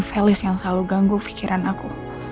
felis yang selalu ganggu pikiran aku